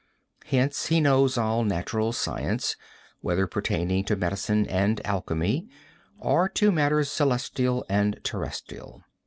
Hence, he knows all natural science whether pertaining to medicine and alchemy, or to matters celestial and terrestrial.